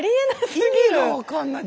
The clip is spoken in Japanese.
意味が分かんない。